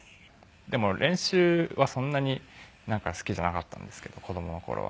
でも練習はそんなに好きじゃなかったんですけど子供の頃は。